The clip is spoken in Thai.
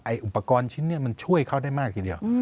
อุปกรณ์ชิ้นนี้มันช่วยเขาได้มากทีเดียว